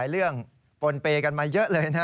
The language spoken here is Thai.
ภัยบูรณ์นิติตะวันภัยบูรณ์นิติตะวัน